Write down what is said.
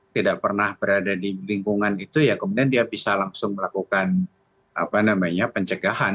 tidak pernah berada di lingkungan itu ya kemudian dia bisa langsung melakukan pencegahan